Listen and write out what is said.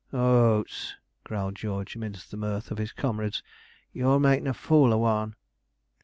'Hoots,' growled George, amidst the mirth of his comrades, 'you're makin' a fool o' one.'